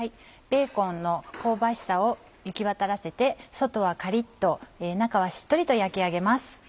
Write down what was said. ベーコンの香ばしさを行きわたらせて外はカリっと中はしっとりと焼き上げます。